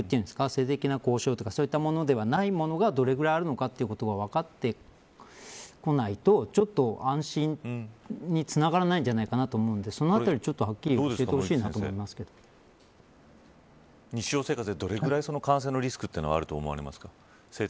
性的な交渉とかそういったものではないものがどれぐらいあるのかというのが分かってこないとちょっと安心につながらないんじゃないかなと思うんですがそのあたり、はっきり教日常生活で、どれぐらい感染のリスクがあると思われますか。